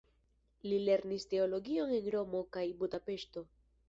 Li lernis teologion en Romo kaj Budapeŝto.